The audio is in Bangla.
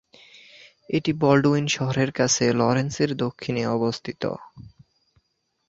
এটি বল্ডউইন শহরের কাছে লরেন্সের দক্ষিণে অবস্থিত।